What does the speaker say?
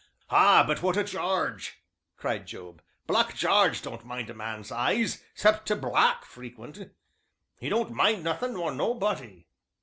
'" "Ah! but what o' Jarge?" cried Job. "Black Jarge don't mind a man's eyes, 'cept to black frequent; 'e don't mind nothin', nor nobody."